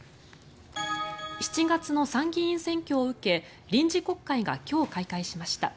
７月の参議院選挙を受け臨時国会が今日、開会しました。